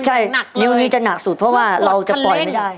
ใช่นิ้วนี้จะหนักสุดเพราะว่าเราจะปล่อยไม่ได้